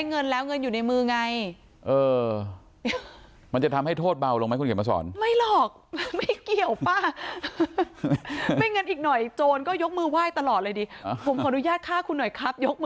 มีรูปหน้ารูปหลังนะครับ